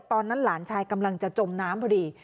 ตอนนั้นหลานชายกำลังจะจมน้ำพอดี